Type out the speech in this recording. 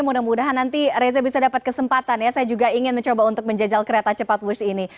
mudah mudahan nanti reza bisa dapat kesempatan ya saya juga ingin mencoba untuk menjajal kereta cepat wush ini